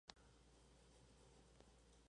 Irónicamente, ella permanece ajena a su papel.